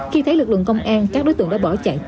khi thấy lực lượng công an các đối tượng đã bỏ chạy